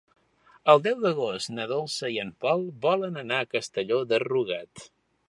El deu d'agost na Dolça i en Pol volen anar a Castelló de Rugat.